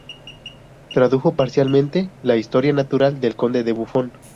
Tradujo parcialmente la "Historia Natural" del conde de Buffon.